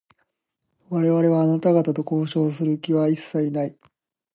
我々は、あなた方と交渉をする気は一切ない。